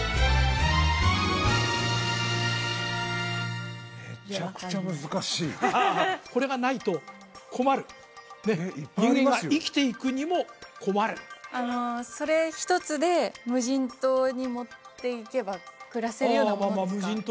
めちゃくちゃ難しいこれがないと困るねっ人間が生きていくにも困るそれ一つで無人島に持っていけば暮らせるようなものですか？